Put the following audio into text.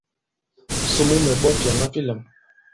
Somo mɛ̀ ɓᴐ fyàŋa fi lām.